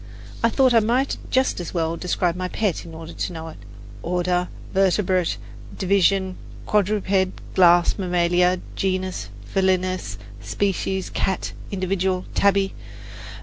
I thought I might just as well describe my pet in order to know it order, vertebrate; division, quadruped; class, mammalia; genus, felinus; species, cat; individual, Tabby.